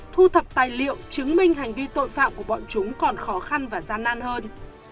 thu thập tài liệu chứng minh hành vi tội phạm của bọn chúng còn khó khăn và gian nan hơn